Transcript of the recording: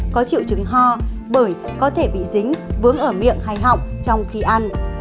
có triệu chứng ho bởi có thể bị dính vướng ở miệng hay họng trong khi ăn